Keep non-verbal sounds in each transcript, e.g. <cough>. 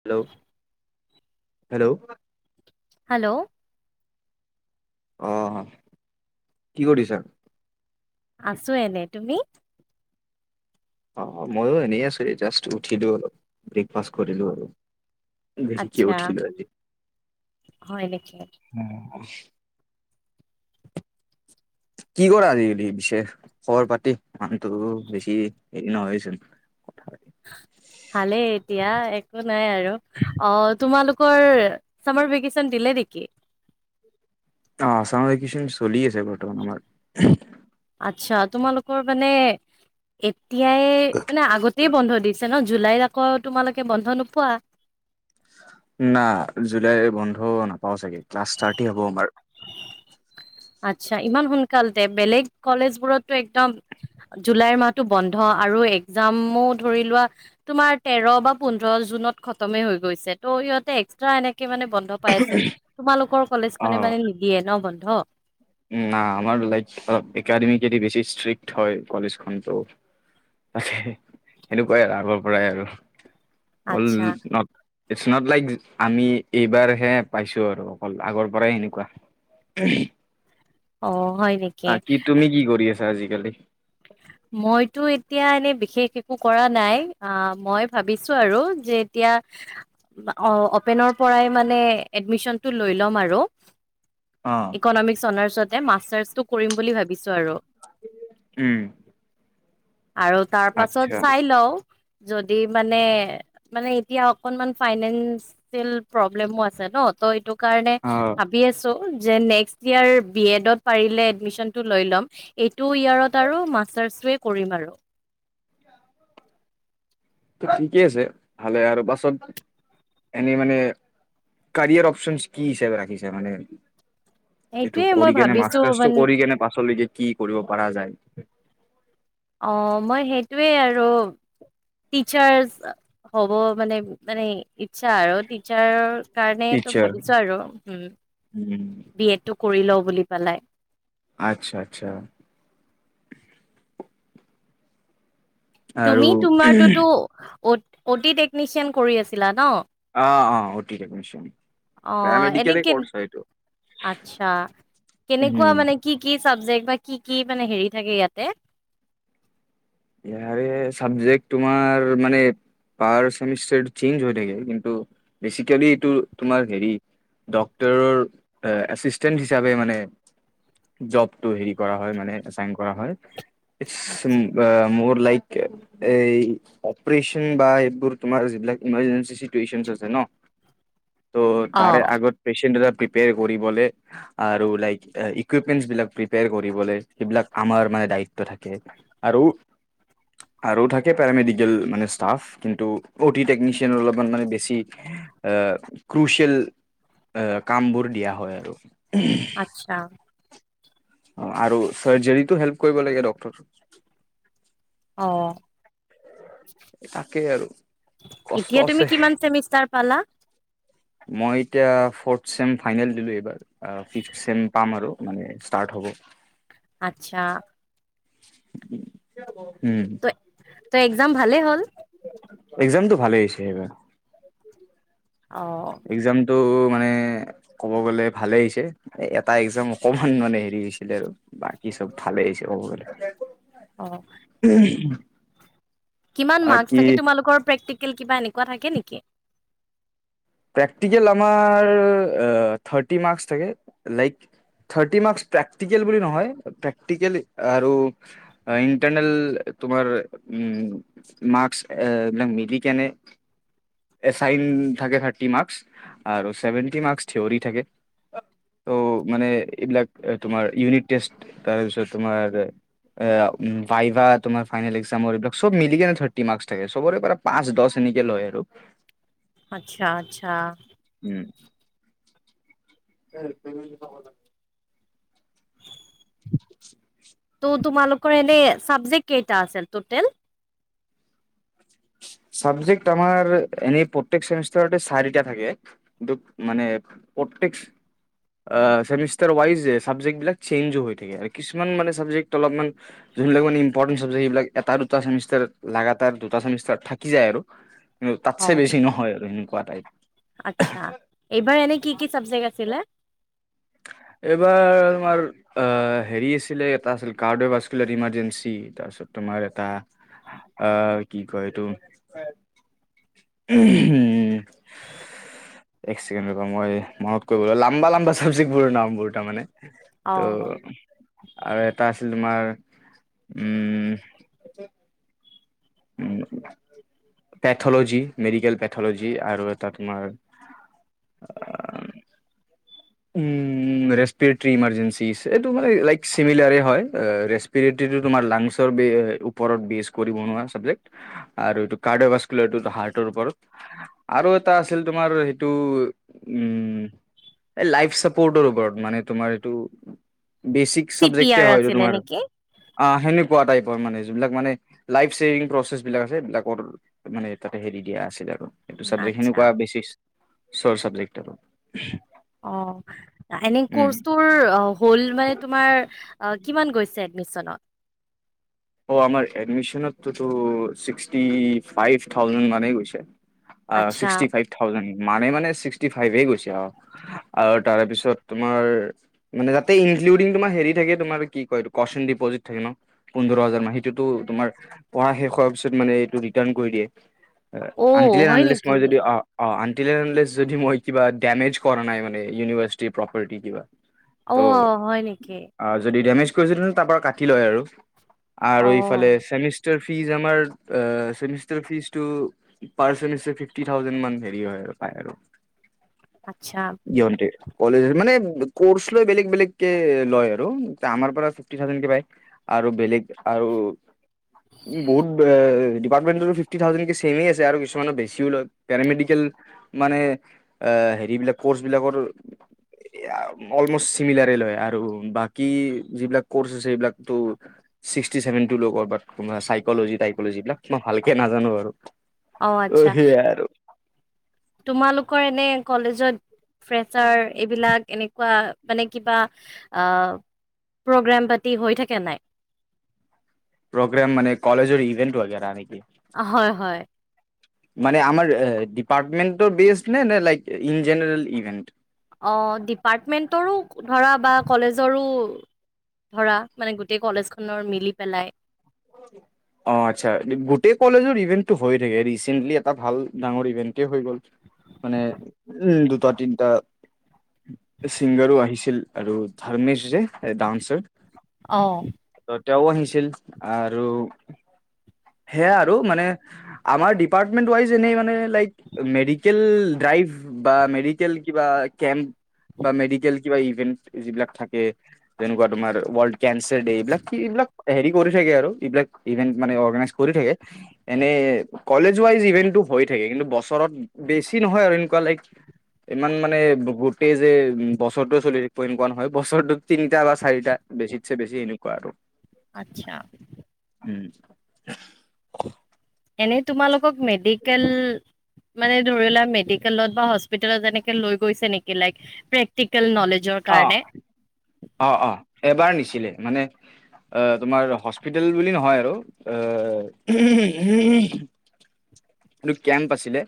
Hello hello. Hello. অহ কি কৰিছা? আছো এনে তুমি? অ' মইও এনেই আছো জাষ্ট উঠিলো, ব্ৰেকফাষ্ট কৰিলো আৰু। দেৰীকে আচ্ছা উঠিলো আজি। হয় নেকি কি কৰা আজিকালি পিছে খবৰ-পাতি মানুহটো বেছি হেৰি নহয়চোন। ভালেই এতিয়া একো নাই আৰু অ' তোমালোক। তোমাৰ চামাৰ ভেকেচন দিলে নেকি? অ' আ চামাৰ ভেকেচন চলি আছে বৰ্তমান আমাৰ আচ্ছা তোমালোকৰ মানে এতিয়াই মানে আগতেই বন্ধ দিছে ন' জুলাইত আকৌ তোমালোকে বন্ধ নোপোৱা? না জুলাই বন্ধ নাপাওঁ চাগে ক্লাছ থাৰ্টি হ'ব আমাৰ <inaudible> আচ্ছা ইমান সোনকালতে বেলেগ কলেজ বোৰতটো একদম। জুলাইৰ মাহতটো বন্ধ আৰু একজামো ধৰি লোৱা তোমাৰ তেৰ বা পোন্ধৰ। জুনত খতমে হৈ গৈছে ত' সিহঁতে এক্সটা এনে মানে বন্ধ পাই আছে, তোমালোকৰ কলেজ খনে মানে নিদিয়ে ন বন্ধ। ন আমাৰ লাইক অলপ একাডেমিকেলি বেছি ষ্ট্ৰিক্ট হয় কলেজখন। ত সেনেকুৱাই আৰু আগৰ পৰাই আৰু বল আচ্ছা ন ইটছ নট লাইক আমি এইবাৰ হে পাইছো আৰু অকল আগৰ পৰাই সেনেকুৱা। <unintelligible> অ। হয় নেকি? আহ কি তুমি কি কৰি আছা আজিকালি। মইতো এতিয়া এনেই বিশেষ একো কৰা নাই অ মই ভাবিছো আৰু যে এতিয়া অ অপেনৰ পৰাই মানে এডমিশনটো লৈ ল'ম আৰু অ'। ইকনমিক অনাৰ্চতে মাষ্টাৰ্চটো কৰিম বুলি ভাবিছো আৰু। উম। আৰু তাৰ পাছত আচ্ছা চাই লও। যদি মানে মানে এতিয়া অকনমান ফাইনেন্সিয়েল প্ৰব্লেমো আছে ন ত এইটো কাৰণে অ', ভাবি আছো। যে নেক্স ইয়াৰ বি এডত পাৰিলে এডমিচনটো লৈ ল'ম এইটো ইয়ৰত আৰু চাৰ্চে কৰিম আৰু। ত ঠিকে আছে ভালে আৰু বাছত এনেই মানে কাৰিয়াৰ অপচনচ কি হিচাপ ৰাখিছে মানে। এইটো সেইটোয়ে মই কৰি কেনে ভাবিছো মাট্ৰাচ তো মান কৰি কেনে পাচল কি কি কৰিব পাৰা যায়। অ, মই সেইটোৱে আৰু টিচাৰচ হ'ব মানে মানে ইচ্ছা আৰু টিচাৰৰ কাৰণ তো টিচাৰ ভাবিছো আৰু হুম। উম, বি এডটো কৰি লও বুলি পালাই। আচ্ছা আচ্ছা। আৰু তুমি তোমাৰটোতো অটি টেকনিচিয়ান কৰি আছিলা ন? আহ অ অটি টেকনিচান পেৰামেডিকলে কৰ্চ হয় এইটো। আত্ছা কেনেকুৱা উম। মানে কি কি চাবজেক্ট। বা কি কি মানে হেৰি থাকে ইয়াতে। চাবজেক্ট তোমাৰ মানে পাৰ ছেমিষ্টাৰ চেঞ্জ হৈ থাকে কিন্তু বেচিকেলি এইটো তোমাৰ হেৰি ডাক্তৰৰ এচিষ্টেণ্ট হিচাপে মানে জবটো হেৰি কৰা হয় মানে এচাইন কৰা হয়। আচ্ছা আ মোৰ লাইক এই অপাৰেশ্যন বা এইবোৰ তোমাৰ যিবিলাক ইমাৰ্জেঞ্চি টিউশনচ আছে ন। ত অ তাৰে আগৰ পেচেণ্ট প্ৰিপেয়াৰ কৰিবলে আৰু লাইক ইকুইপমেণ্টচ বিলাক প্ৰিপেয়াৰ কৰিবলে সিবিলাক মানে আমা দায়িত্ব থাকে আৰু আৰু থাকে পেৰামেডিকেল মানে স্থাফ কিন্তু অটি টেকনিচিয়ান অলপমান মানে বেছি আহ ক্ৰুচিয়েল আহ কাম বোৰ দিয়া হয় আৰু আচ্ছা। অ আৰু চাৰ্জাৰীটো হেল্প কৰিব লাগে ডাক্তৰ। অ, ' তাকেই আৰু। কষ্ট এতিয়া তুমি আছে কিমান চেমিষ্টাৰ পালা। মই এতিয়া ফোৰ্থ চেম ফাইনেল দিলো এইবাৰ ফিৰ্ট চেম পাম আৰু মানে পাৰ্ট হ'ব। আচ্ছা। <unintelligible> ত তো এক্সাম ভালে হ'ল। এক্সামটো ভালে হৈছে এইবাৰ অ টো মানে ক'ব গ ভালে হৈছে এটা এক্জাম অকমান মানে হেৰি হৈছিলে আৰু বাকী চব ভালে হৈছে ক'ব গলে অ উম কিমান মাৰ্কছ থাকে তোমালোকৰ প্ৰেক্টিকেল কিবা এনেকুৱা থাকে নেকি প্ৰেক্টিকেল আমাৰ ৰ্থাটি মাৰ্কচ থাকে লাইক ৰ্থাটি মাৰ্কচ প্ৰে্টিকেল বুলি নহয় প্ৰে্টিকেল আৰু ইটাৰনেল তোমাৰ উ মাৰ্কছ এইবিলাক মিলি কেনে এ চাইন থাকে থাৰ্টি মাৰ্ক আৰু ছেভেনটি মাৰ্ক থিয়ৰী থাকে ত' মানে এইবিলাক তোমাৰ ইউনিট টেষ্ট তাৰপিছত তোমাৰ অ ভাইভা তোমাৰ ফাইনেল এক্সামৰ এইবিলাক চব মিলি কেনে থাৰ্টি মাৰ্ক থাকে সবৰে পৰা পাঁচ দহ এনেকে লয় আৰু আচ্ছা আচ্ছা উম <unintelligible> <unintelligible> <inaudible> ত' তোমালোকৰ এনে ছাবজেক্ট কেইটা আছিল তোতেল <inaudible> চাবজেক্ট আমাৰ এনেই প্ৰতেক ছেমিষ্টাৰ চাৰিটা থাকে কিন্তু মানে <unintelligible> ছেমিষ্টাৰ ৱাইজ ছাবজেক্টবিলাক চেঞ্জ হৈ থাকে আৰু কিছুমান মানে ছাবজেক্ট অলপমান যোনবিলাক মানে ইম্পৰটেন্ট চাবজেক্ট সেইবিলাক এটা দুটা চেমিষ্টাৰ লগাতাৰ দুটা ছেমিষ্টাৰ থাকি যায় আৰু কিন্তু তাতছে অ' বেছি নহয় আৰু এনেকুৱা টাইপ আচ্ছা এইবাৰ এনে কি কি চাবজেক্ আছিলে এ এইবাৰ তোমাৰ হেৰি আছিলে এটা আছিল <unintelligible> ইমাৰ্জেঞ্চি তাৰপিছত তোমাৰ এটা আহ কি কয় এইটো উম এক ছেকেণ্ড ৰবা মই মনত কৰিব লাগিব লাম্বা লাম্বা চাবজেক্টবোৰৰ নাম বোৰ তাৰমানে অ' ত' আৰু এটা আছে তোমাৰ উম উম পেথলজি মেডিকেল পেথলজি আৰু এটা তোমাৰ আহ <unintelligible> ইমাৰজেঞ্চি এইটো মানে লাইক চিমিলাৰে হয় <unintelligible> এইটো তোমাৰ লাঞ্চৰ ওপৰত বেছ কৰি বনোৱা হয় চাবজেক্ট আৰু এইটো <unintelligible> <unintelligible> ওপৰত আৰু এটা আছিল তোমাৰ সেইটো উম এই লাইফ চাপোৰ্টৰ ওপৰত মানে তোমাৰ এইটো বেচিক চি পি চাবজেক্ট আৰ হয় আছিলে তোমাৰ নেকি? আহ সে টাইপৰ মানে যোনবিলাক মানে লাই চছেভিং প্ৰচেছ বিলাক আছে সবলাকৰ মানে তাতে হেৰি দিয়া আছিল আৰু এইটো চাবজেক্ট আচ্ছা সনেকুৱা বেছি চৰ চাবজেক্ট আৰু অ এনে উম কৰ্চটোৰ হ'ল মানে তোমাৰ কিমান গৈছে এডমিশনত অ আমাৰ এডমিনততিক্সি ফাইভ থাউজেড মানেই গৈছে আচ্ছা অিক্সটি ফাইভ থাউজ মে মানে ছিক্সি ফাইভ গৈ আৰু আৰু তাৰপিছত তোমাৰ মানো ইন্ডংমাৰ হেৰি থাকে তোমাৰ কি ক ডিপজিট থাকে ন োধ সেইটো অ' আটিলে হয় নে নেকি? মই যদি অ অ য মই কিবা ডমেজ কৰা নাই ম ইউনিভাৰি প্ৰাৰ্টি কিবা ত অ' হয় নেকি? আ যদি ডমেজ <unintelligible> তা পা কাটি লয় আৰু আৰু ইফালে অ' ছেমিষ্টাৰ ফি টি যামাৰ এ ছেমিষ্টাৰ ফিছটো পাৰ ছেমিষ্টাৰ ফিফটি থাউজেণ্ড মান হেৰি হয় আৰু আচ্ছা জয়েন্তে কলেজ মানে কৰ্চ লয় বেলেগ বেলেগ কে লয় আৰু আমাৰ পৰা ফিফটি থাউজেণ্ড কে পায় আৰু বেলেগ আৰু বহুত ডিপাৰ্টমেন্টো ফিফটি থাউজেণ্ড ছেমে আছে আৰু কিছুমানে বেছিও লয় পেৰামেডিকেল। মানে অ হেৰিবিলাক কৰ্চবিলাকৰ এ আ অলমষ্ট চিমিলাৰে লয় আৰু বাকী যিবিলাক কৰ্চ আছে সেইবিলাকতো ছিক্টি চেভেন টু লগৰ বাট চাইক'জি টাইকল'জিবিলাক মই ভালকে নাজানো আৰু। অ সেইয়া আৰু তোমালোকৰ এনে কলেজত ফেচাৰ এইবিলাক এনেকুৱা মানে কিবা আ প্ৰগ্ৰেম পাতি হৈ থাকে নাই? প্ৰগ্ৰেম মানে কলেজৰ ইভেণ্ট বাগেৰা নেকি? অ হয় হয়। মানে আমাৰ ডিপাৰ্টমেটৰ বেচ নে নে লাইক ইন জেনাৰেল ইভেণ্ট? অ ডিপাৰ্টমেণ্টৰো ধৰা বা কলেজৰো। ধৰা মানে গোটেই কলেজ খনৰ মিলি পেলাই অ আচ্ছা গোটেই কলেজৰ ইভেন্টটো হৈয়ে থাকে ৰিচেণ্টলি এটা ভাল ডাঙৰ ইভেন্ট হৈ গ'ল মানে উম দুটা তিনিটা ছিংগাৰো আহিছিল আৰু ধাৰৰ্মেশ যে এই ডানচৰ অ ত তেওঁ আহিছিল আৰু সেয়া আৰু মানে আমাৰ ডিপাৰ্টমেন্ট ৱাইজ এনেই মানে লাইক মেডিকেল ড্ৰাইভ বা মেডিকেল কিবা কেম্প বা মেডিকেল কিবা ইভেন্ট যিবিলাক থাকে তেনেকুৱা তোমাৰ ৱাল্ড কেঞ্চাৰ ডে এইবিলাক কি এইবিলাক হেৰি কৰি আৰু এইবিলাক ইভেন্ট মানে অৰ্গেনাইজ কৰি থাকে এনে কলেজ ৱাইজ ইভেন্টটো হৈ থাকে কিন্তু বছৰত বেছি নহয় আৰু এনেকুৱা লাইক ইমান মানে গোটেই যে উ বছৰটোৱে চলি থাকিব এনেকুৱা নহয় বছৰটো তিনিটা বা চাৰিটা বেছিতছে বেছি এনেকুৱা আৰু আচ্ছা উম এনে তোমাৰালোকক মেডিকেল মানে ধৰি লোৱা মেডিকেলত বা হস্পিটেলত যেনেকে লৈ গৈছে নেকি লাইক প্ৰেক্টিকেল নলেজ অ অ অ এবাৰ নিছিলে মানে আহ তোমাৰ হস্পিতেল বুলি নহয় আৰু এ সেটো কেম্প আছিলে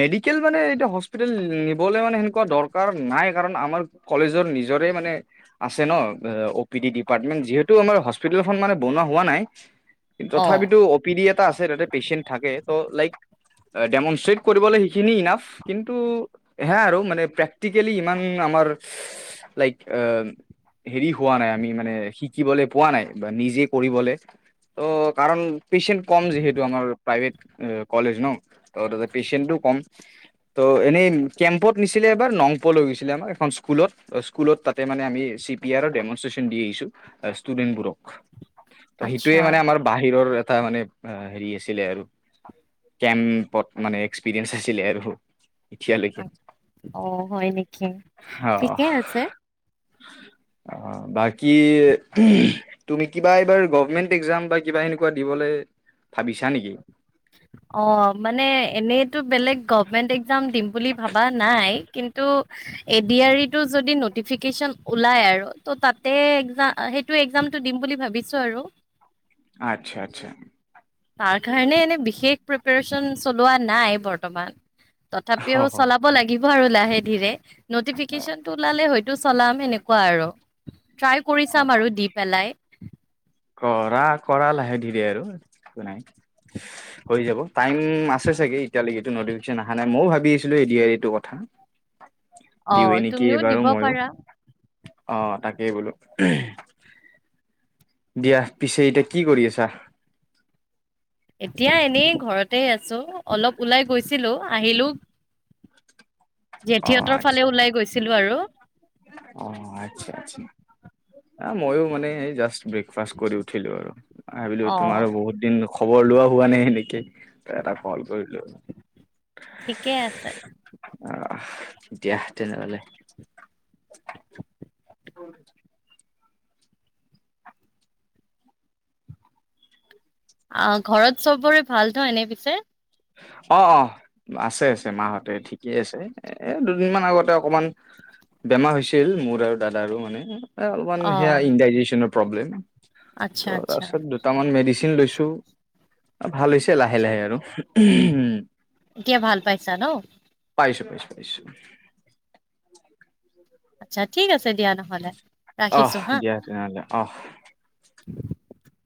মেডিকেল মানে এতিয়া হস্পিটেল নিবলৈ মানে সেনেকুৱা দৰকাৰ নাই কাৰণ আমাৰ কলেজৰ নিজৰে মানে আছে ন অ' পি ডি ডিপাৰ্টমেন্ট যিহেতু আমাৰ হস্পিটেলখন মানে বনোৱা হোৱা নাই অ তথাপিতো অ' পি ডি এটা আছে তাতে পেচেণ্ট থাকে ত' লাইক আহ ডেম নিশ্চয় কৰিবলৈ সেইখিনি ইনাফ কিন্তু সেয়াই আৰু মানে প্ৰেক্টিকেলি ইমান আমাৰ লাইক আহ হেৰি হোৱা নাই। আমি মানে শিকিবলৈ পোৱা নাই বা নিজে কৰিবলে অ' কাৰণ পেচেণ্ট কম যিহেতু আমাৰ প্ৰাইভেট। এহ কলেজ ন অ' তাতে পেচেণ্টো কম, তো এনেই কেম্পত নিছিলে এবাৰ লংপুৰ লৈ গৈছিলে আমাক এখন স্কুলত, আহ স্কুলত তাতে মানে আমি চি পি আৰ ডেমষ্ট্ৰেচন দি আহিছোঁ আহ ষ্টুডেন্টবোৰক তোৰ সেইটোৱে আচ্ছা মানে আমাৰ বাহিৰৰ এটা মানে হেৰি আছিলে আৰু কেম্পত মানে এক্সপিৰিয়েঞ্চ আছিলে আৰু এতিয়ালৈকে। অহ' হয় নেকি, অ'। ঠিকে আছে। <inaudible> অ', বাকী তুমি কিবা এইবাৰ গভৰ্মেণ্ট এক্সাম বা কিবা এনেকুৱা দিবলে ভাবিছা নেকি? অ', মানে এনেইতো বেলেগ গভৰ্মেণ্ট এক্সাম দিম বুলি ভাবা নাই। কিন্তু এ ডি আৰ ই টো যদি ন'টিফিকেচন ওলাই আৰু ত' তাতে এক্স সেইটো এক্সামটো দিম বুলি ভাবিছো আৰু। আচ্ছা, আচ্ছা। তাৰ কাৰণে এনে বিশেষ প্ৰিপেৰেচন চলোৱা নাই বৰ্তমান। তথাপিও অ' চলাব লাগিব আৰু লাহে ধীৰে, অ' ন'টিফিকেচনটো ওলালে হয়ত তো চলাম এনেকুৱা আৰু, ট্ৰাই কৰি চাম অ', আৰু দি পেলাই। কৰা, কৰা, লাহে ধীৰে আৰু একো নাই। হৈ যাব, টাইম আছে চাগে এতিয়ালৈকেটো ন'টিফিকেচন অহা নাই। মইয়ো ভাবি আছিলো এ ডি আৰ ই টোৰ কথা অ', দিওঁৱে নেকি তুমিও দিব এইবাৰো মইয়ো। পাৰা। অ', তাকেই বোলো দিয়া, পিছে এতিয়া কি কৰি আছা? এতিয়া এনেই ঘৰতে আছো, অলপ ওলাই গৈছিলো, আহিলো। অ' জেঠীহঁতৰ আচ্ছা ফালে ওলাই গৈছিলো আৰু আচ্ছা আচ্ছা। অ', ময়ো মানে এই জাষ্ট ব্ৰেকফাষ্ট কৰি উঠিলো আৰু, ভাবিলো অ তোমাৰো বহুত দিন খবৰ লোৱা হোৱা নাই হেনেকে, ত' এটা কল কৰিলো ঠিকে আছে দিয়াহ তেনেহ'লে আ, ঘৰত চবৰে ভাল ত এনে পিছে? অ', অ', আছে, আছে, মাহঁতে ঠিকেই আছে। এ দুদিনমান আগতে অকমান বেমাৰ হৈছিল। মোৰ আৰু দাদাৰো মানে এহ, অলপমান অ সেয়া ইনডাইজেচনৰ প্ৰব্লেম, ত' আচ্ছা তাৰ আচ্ছা পিছত দুটামান মেডিচিন চিন লৈছো। ভাল হৈছে লাহে লাহে আৰু। উম এতিয়া ভাল পাইছা ন? পাইছো, পাইছো, পাইছো। আচ্ছা, ঠিক আছে দিয়া নহ'লে। অহ ৰাখিছো হা। দিয়া তেনেহ'লে অহ <inaudible>